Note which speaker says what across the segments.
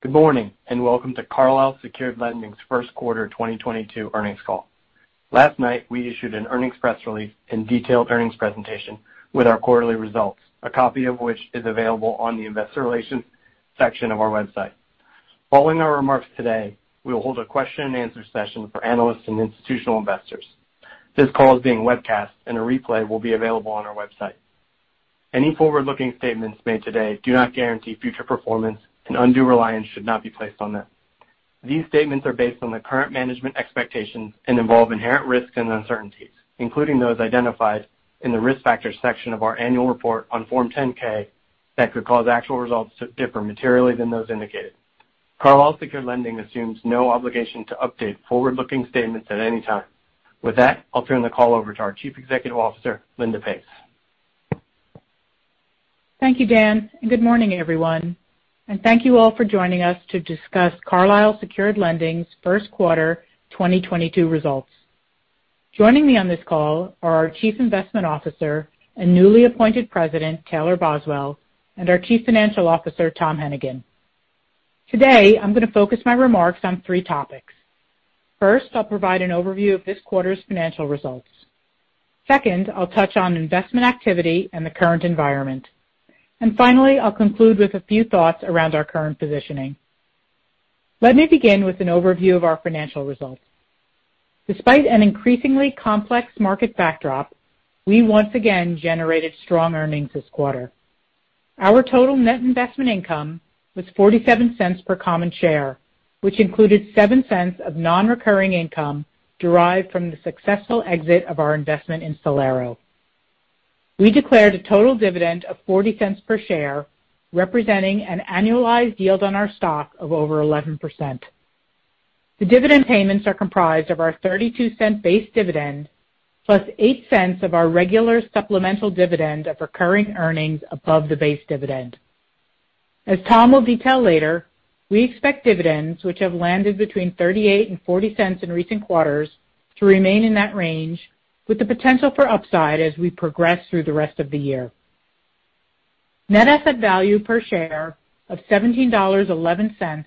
Speaker 1: Good morning, and welcome to Carlyle Secured Lending's first quarter 2022 earnings call. Last night, we issued an earnings press release and detailed earnings presentation with our quarterly results, a copy of which is available on the investor relations section of our website. Following our remarks today, we will hold a question and answer session for analysts and institutional investors. This call is being webcast, and a replay will be available on our website. Any forward-looking statements made today do not guarantee future performance, and undue reliance should not be placed on them. These statements are based on the current management expectations and involve inherent risks and uncertainties, including those identified in the Risk Factors section of our annual report on Form 10-K that could cause actual results to differ materially than those indicated. Carlyle Secured Lending assumes no obligation to update forward-looking statements at any time. With that, I'll turn the call over to our Chief Executive Officer, Linda Pace.
Speaker 2: Thank you, Dan, and good morning, everyone. Thank you all for joining us to discuss Carlyle Secured Lending's first quarter 2022 results. Joining me on this call are our Chief Investment Officer and newly appointed President, Taylor Boswell, and our Chief Financial Officer, Tom Hennigan. Today, I'm going to focus my remarks on three topics. First, I'll provide an overview of this quarter's financial results. Second, I'll touch on investment activity and the current environment. Finally, I'll conclude with a few thoughts around our current positioning. Let me begin with an overview of our financial results. Despite an increasingly complex market backdrop, we once again generated strong earnings this quarter. Our total net investment income was $0.47 per common share, which included $0.07 of non-recurring income derived from the successful exit of our investment in Solera. We declared a total dividend of $0.40 per share, representing an annualized yield on our stock of over 11%. The dividend payments are comprised of our $0.32 base dividend plus $0.08 of our regular supplemental dividend of recurring earnings above the base dividend. As Tom will detail later, we expect dividends, which have landed between $0.38 and $0.40 in recent quarters, to remain in that range with the potential for upside as we progress through the rest of the year. Net asset value per share of $17.11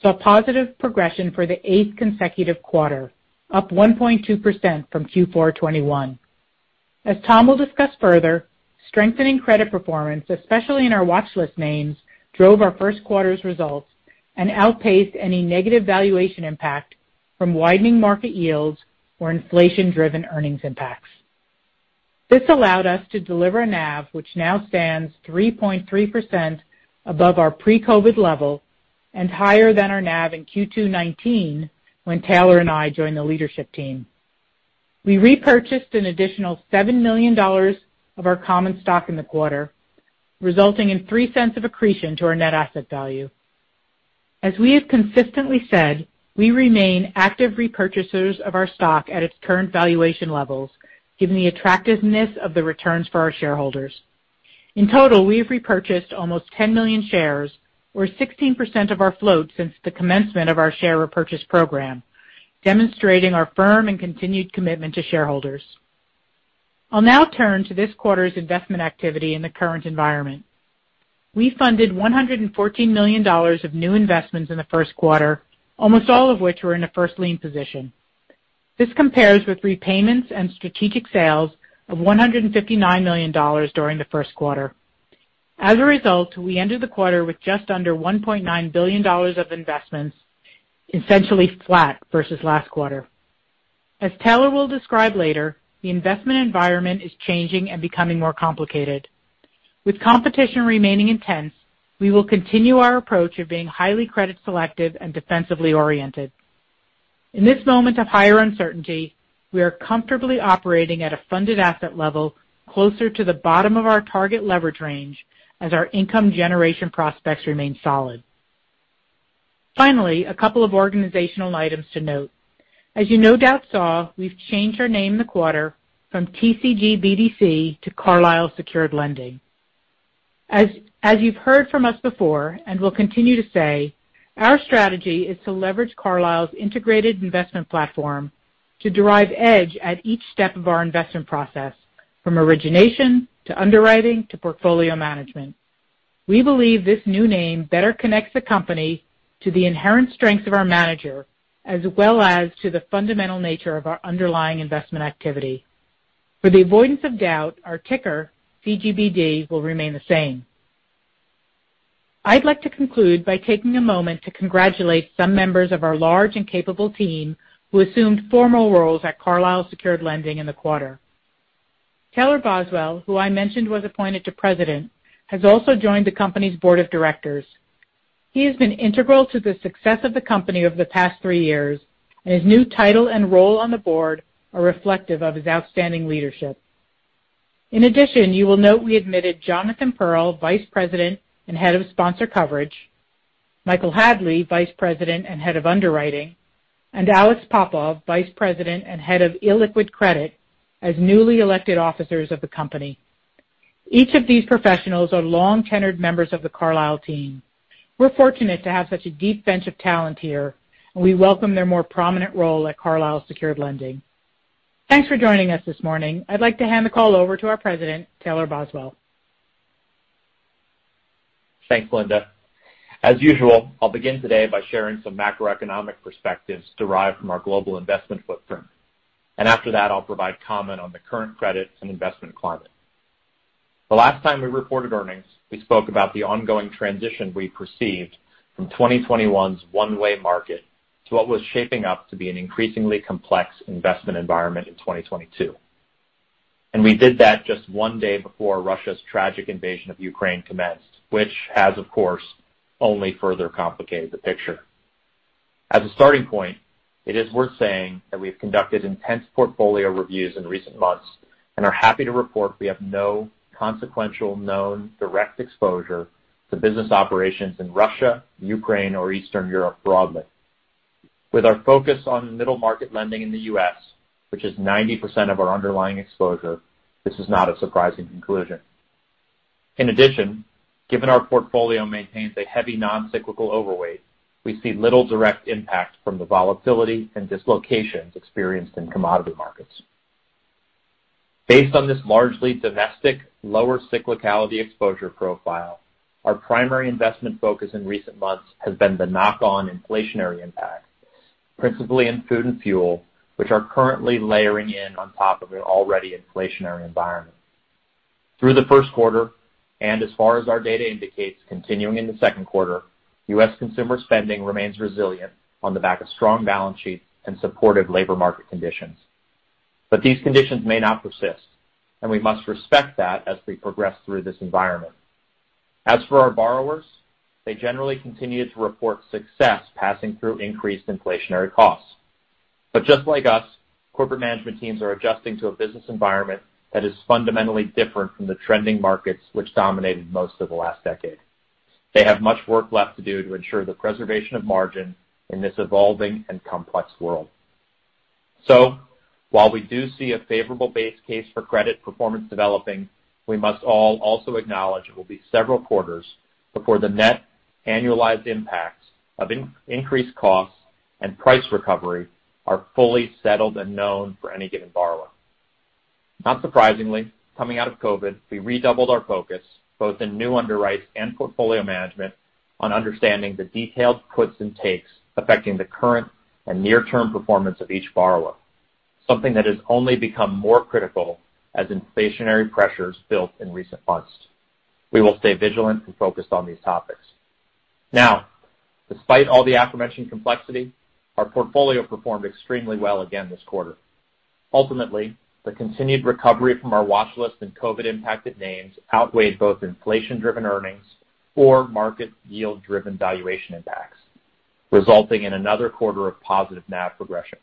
Speaker 2: saw positive progression for the eighth consecutive quarter, up 1.2% from Q4 2021. As Tom will discuss further, strengthening credit performance, especially in our watch list names, drove our first quarter's results and outpaced any negative valuation impact from widening market yields or inflation-driven earnings impacts. This allowed us to deliver a NAV which now stands 3.3% above our pre-COVID level and higher than our NAV in Q2 2019 when Taylor and I joined the leadership team. We repurchased an additional $7 million of our common stock in the quarter, resulting in $0.03 of accretion to our net asset value. As we have consistently said, we remain active repurchasers of our stock at its current valuation levels, given the attractiveness of the returns for our shareholders. In total, we have repurchased almost 10 million shares or 16% of our float since the commencement of our share repurchase program, demonstrating our firm and continued commitment to shareholders. I'll now turn to this quarter's investment activity in the current environment. We funded $114 million of new investments in the first quarter, almost all of which were in a first lien position. This compares with repayments and strategic sales of $159 million during the first quarter. As a result, we ended the quarter with just under $1.9 billion of investments, essentially flat versus last quarter. As Taylor will describe later, the investment environment is changing and becoming more complicated. With competition remaining intense, we will continue our approach of being highly credit selective and defensively oriented. In this moment of higher uncertainty, we are comfortably operating at a funded asset level closer to the bottom of our target leverage range as our income generation prospects remain solid. Finally, a couple of organizational items to note. You no doubt saw, we've changed our name in the quarter from TCG BDC to Carlyle Secured Lending. You've heard from us before, and we'll continue to say, our strategy is to leverage Carlyle's integrated investment platform to derive edge at each step of our investment process, from origination to underwriting to portfolio management. We believe this new name better connects the company to the inherent strength of our manager, as well as to the fundamental nature of our underlying investment activity. For the avoidance of doubt, our ticker, CGBD, will remain the same. I'd like to conclude by taking a moment to congratulate some members of our large and capable team who assumed formal roles at Carlyle Secured Lending in the quarter. Taylor Boswell, who I mentioned was appointed President, has also joined the company's board of directors. He has been integral to the success of the company over the past three years, and his new title and role on the board are reflective of his outstanding leadership. In addition, you will note we admitted Jonathan Pearl, Vice President and Head of Sponsor Coverage, Michael Hadley, Vice President and Head of Underwriting, and Alex Popov, Vice President and Head of Illiquid Credit, as newly elected officers of the company. Each of these professionals are long-tenured members of the Carlyle team. We're fortunate to have such a deep bench of talent here, and we welcome their more prominent role at Carlyle Secured Lending. Thanks for joining us this morning. I'd like to hand the call over to our president, Taylor Boswell.
Speaker 3: Thanks, Linda. As usual, I'll begin today by sharing some macroeconomic perspectives derived from our global investment footprint. After that, I'll provide comment on the current credit and investment climate. The last time we reported earnings, we spoke about the ongoing transition we perceived from 2021's one-way market to what was shaping up to be an increasingly complex investment environment in 2022. We did that just one day before Russia's tragic invasion of Ukraine commenced, which has, of course, only further complicated the picture. As a starting point, it is worth saying that we have conducted intense portfolio reviews in recent months and are happy to report we have no consequential known direct exposure to business operations in Russia, Ukraine, or Eastern Europe broadly. With our focus on middle-market lending in the U.S., which is 90% of our underlying exposure, this is not a surprising conclusion. In addition, given our portfolio maintains a heavy non-cyclical overweight, we see little direct impact from the volatility and dislocations experienced in commodity markets. Based on this largely domestic lower cyclicality exposure profile, our primary investment focus in recent months has been the knock-on inflationary impact, principally in food and fuel, which are currently layering in on top of an already inflationary environment. Through the first quarter, and as far as our data indicates, continuing in the second quarter, U.S. consumer spending remains resilient on the back of strong balance sheets and supportive labor market conditions. These conditions may not persist, and we must respect that as we progress through this environment. As for our borrowers, they generally continued to report success passing through increased inflationary costs. But just like us, corporate management teams are adjusting to a business environment that is fundamentally different from the trending markets which dominated most of the last decade. They have much work left to do to ensure the preservation of margin in this evolving and complex world. While we do see a favorable base case for credit performance developing, we must all also acknowledge it will be several quarters before the net annualized impacts of increased costs and price recovery are fully settled and known for any given borrower. Not surprisingly, coming out of COVID, we redoubled our focus, both in new underwrites and portfolio management, on understanding the detailed puts and takes affecting the current and near-term performance of each borrower, something that has only become more critical as inflationary pressures built in recent months. We will stay vigilant and focused on these topics. Now, despite all the aforementioned complexity, our portfolio performed extremely well again this quarter. Ultimately, the continued recovery from our watch list and COVID-impacted names outweighed both inflation-driven earnings or market yield-driven valuation impacts, resulting in another quarter of positive NAV progression.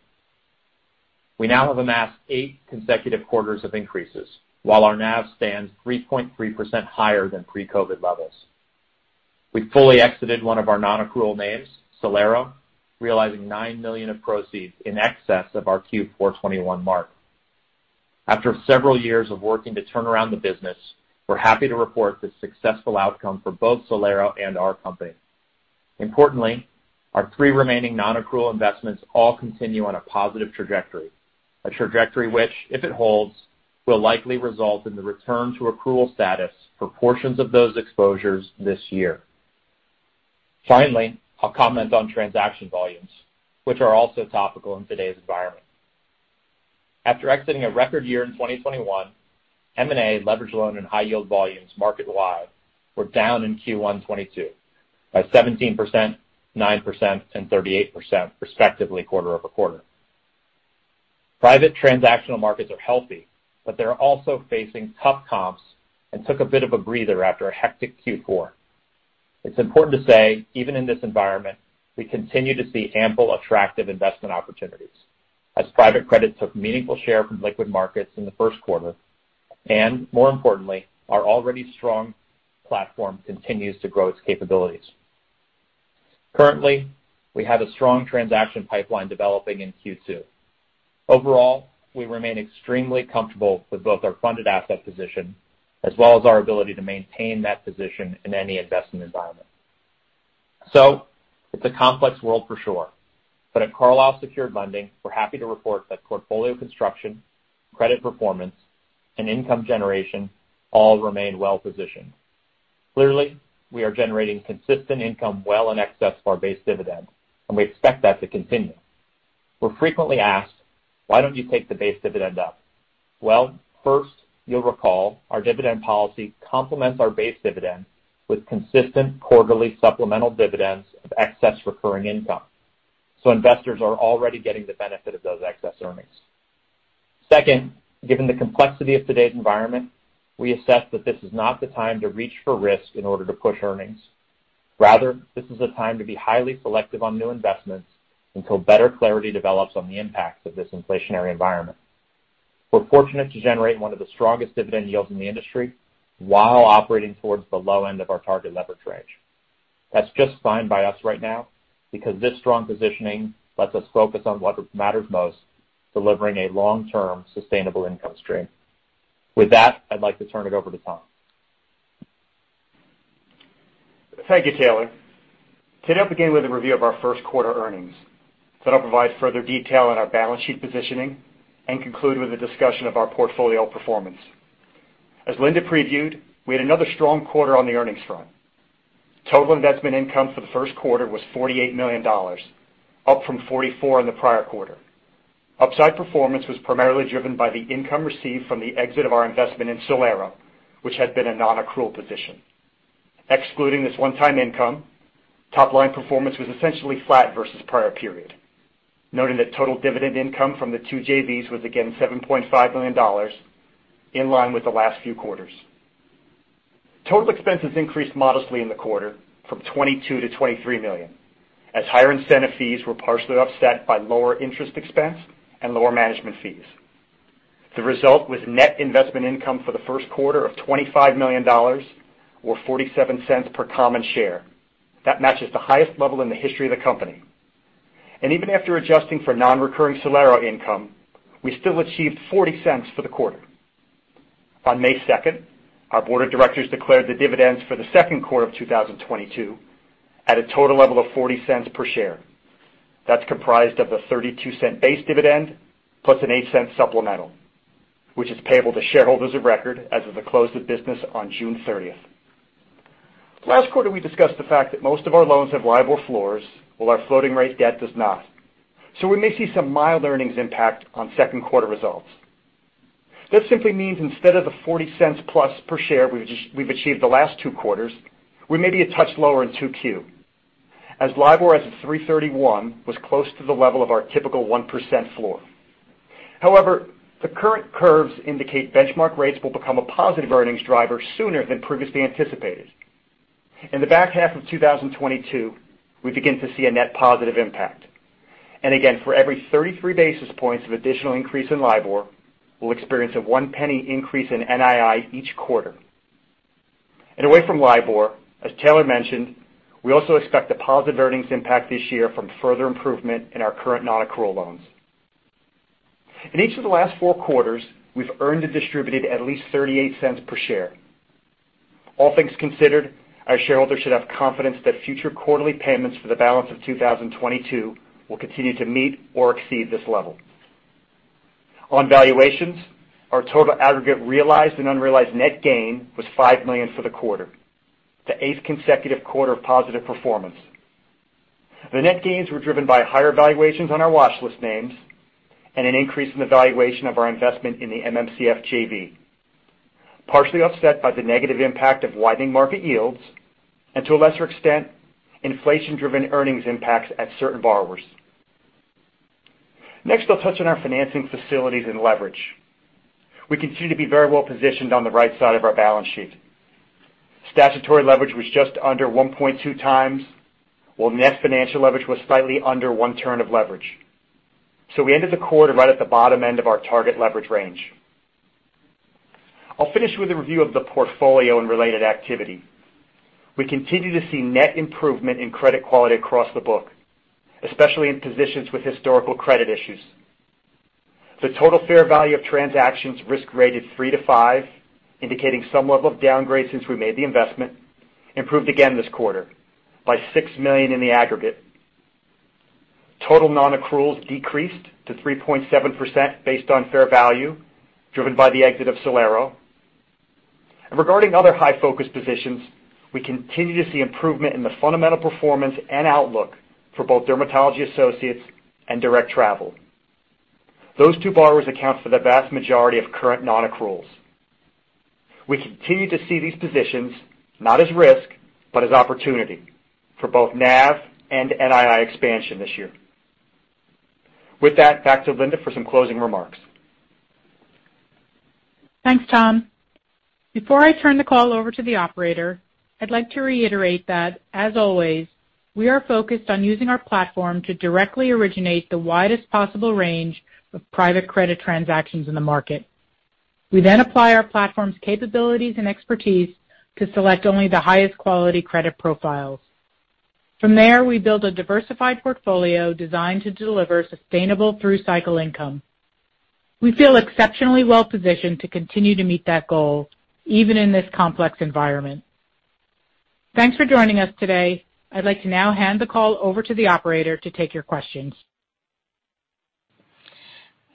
Speaker 3: We now have amassed eight consecutive quarters of increases, while our NAV stands 3.3% higher than pre-COVID levels. We fully exited one of our non-accrual names, Solera, realizing $9 million of proceeds in excess of our Q4 2021 mark. After several years of working to turn around the business, we're happy to report this successful outcome for both Solera and our company. Importantly, our three remaining non-accrual investments all continue on a positive trajectory. A trajectory which, if it holds, will likely result in the return to accrual status for portions of those exposures this year. Finally, I'll comment on transaction volumes, which are also topical in today's environment. After exiting a record year in 2021, M&A leveraged loan and high-yield volumes market-wide were down in Q1 2022 by 17%, 9%, and 38% respectively quarter-over-quarter. Private transactional markets are healthy, but they're also facing tough comps and took a bit of a breather after a hectic Q4. It's important to say, even in this environment, we continue to see ample attractive investment opportunities as private credit took meaningful share from liquid markets in the first quarter. More importantly, our already strong platform continues to grow its capabilities. Currently, we have a strong transaction pipeline developing in Q2. Overall, we remain extremely comfortable with both our funded asset position as well as our ability to maintain that position in any investment environment. It's a complex world for sure. At Carlyle Secured Lending, we're happy to report that portfolio construction, credit performance, and income generation all remain well-positioned. Clearly, we are generating consistent income well in excess of our base dividend, and we expect that to continue. We're frequently asked, "Why don't you take the base dividend up?" Well, first, you'll recall our dividend policy complements our base dividend with consistent quarterly supplemental dividends of excess recurring income. Investors are already getting the benefit of those excess earnings. Second, given the complexity of today's environment, we assess that this is not the time to reach for risk in order to push earnings. Rather, this is a time to be highly selective on new investments until better clarity develops on the impacts of this inflationary environment. We're fortunate to generate one of the strongest dividend yields in the industry while operating towards the low end of our target leverage range. That's just fine by us right now because this strong positioning lets us focus on what matters most, delivering a long-term sustainable income stream. With that, I'd like to turn it over to Tom.
Speaker 4: Thank you, Taylor. Today, I'll begin with a review of our first quarter earnings. Then I'll provide further detail on our balance sheet positioning and conclude with a discussion of our portfolio performance. As Linda previewed, we had another strong quarter on the earnings front. Total investment income for the first quarter was $48 million, up from $44 million in the prior quarter. Upside performance was primarily driven by the income received from the exit of our investment in Solera, which had been a non-accrual position. Excluding this one-time income, top line performance was essentially flat versus prior period. Noting that total dividend income from the two JVs was again $70.5 million, in line with the last few quarters. Total expenses increased modestly in the quarter from $22 million-$23 million, as higher incentive fees were partially offset by lower interest expense and lower management fees. The result was net investment income for the first quarter of $25 million, or $0.47 per common share. That matches the highest level in the history of the company. Even after adjusting for non-recurring Solera income, we still achieved $0.40 for the quarter. On May 2, our board of directors declared the dividends for the second quarter of 2022 at a total level of $0.40 per share. That's comprised of the $0.32 base dividend plus an $0.08 supplemental, which is payable to shareholders of record as of the close of business on June 30. Last quarter, we discussed the fact that most of our loans have LIBOR floors while our floating rate debt does not. We may see some mild earnings impact on second quarter results. This simply means instead of the $0.40+ per share we've achieved the last two quarters, we may be a touch lower in 2Q, as LIBOR as of 3/31 was close to the level of our typical 1% floor. However, the current curves indicate benchmark rates will become a positive earnings driver sooner than previously anticipated. In the back half of 2022, we begin to see a net positive impact. Again, for every 33 basis points of additional increase in LIBOR, we'll experience a $0.01 increase in NII each quarter. Away from LIBOR, as Taylor mentioned, we also expect a positive earnings impact this year from further improvement in our current non-accrual loans. In each of the last four quarters, we've earned and distributed at least $0.38 per share. All things considered, our shareholders should have confidence that future quarterly payments for the balance of 2022 will continue to meet or exceed this level. On valuations, our total aggregate realized and unrealized net gain was $5 million for the quarter, the eighth consecutive quarter of positive performance. The net gains were driven by higher valuations on our watch list names and an increase in the valuation of our investment in the MMCF JV, partially offset by the negative impact of widening market yields and to a lesser extent, inflation-driven earnings impacts at certain borrowers. Next, I'll touch on our financing facilities and leverage. We continue to be very well positioned on the right side of our balance sheet. Statutory leverage was just under 1.2x, while net financial leverage was slightly under one turn of leverage. We ended the quarter right at the bottom end of our target leverage range. I'll finish with a review of the portfolio and related activity. We continue to see net improvement in credit quality across the book, especially in positions with historical credit issues. The total fair value of transactions risk-rated 3-5, indicating some level of downgrade since we made the investment, improved again this quarter by $6 million in the aggregate. Total non-accruals decreased to 3.7% based on fair value, driven by the exit of Solera. Regarding other high-focus positions, we continue to see improvement in the fundamental performance and outlook for both Dermatology Associates and Direct Travel. Those two borrowers account for the vast majority of current non-accruals. We continue to see these positions, not as risk, but as opportunity for both NAV and NII expansion this year. With that, back to Linda for some closing remarks.
Speaker 2: Thanks, Tom. Before I turn the call over to the operator, I'd like to reiterate that, as always, we are focused on using our platform to directly originate the widest possible range of private credit transactions in the market. We then apply our platform's capabilities and expertise to select only the highest quality credit profiles. From there, we build a diversified portfolio designed to deliver sustainable through-cycle income. We feel exceptionally well positioned to continue to meet that goal, even in this complex environment. Thanks for joining us today. I'd like to now hand the call over to the operator to take your questions.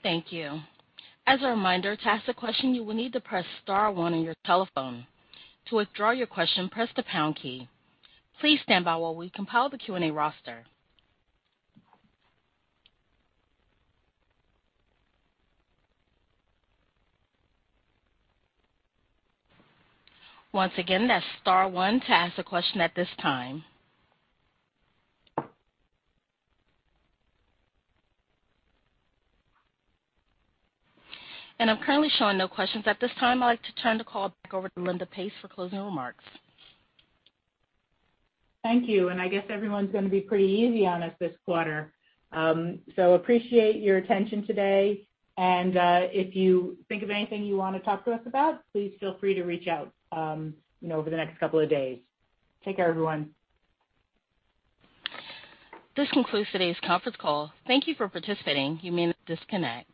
Speaker 5: Thank you. As a reminder, to ask a question, you will need to press star one on your telephone. To withdraw your question, press the pound key. Please stand by while we compile the Q&A roster. Once again, that's star one to ask a question at this time. I'm currently showing no questions. At this time, I'd like to turn the call back over to Linda Pace for closing remarks.
Speaker 2: Thank you, and I guess everyone's gonna be pretty easy on us this quarter. Appreciate your attention today. If you think of anything you wanna talk to us about, please feel free to reach out, you know, over the next couple of days. Take care, everyone.
Speaker 5: This concludes today's conference call. Thank you for participating. You may now disconnect.